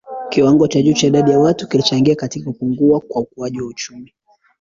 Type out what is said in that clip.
Kiwango cha juu cha idadi ya watu kilichangia katika kupungua kwa ukuaji wa uchumi.